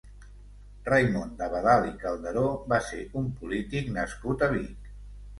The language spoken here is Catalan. Raimon d'Abadal i Calderó va ser un polític nascut a Vic.